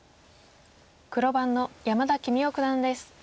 黒番の山田規三生九段です。